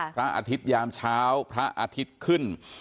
พระอาทิตยามเช้าพระอาทิตย์ขึ้น